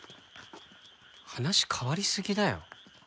話変わりすぎだよ。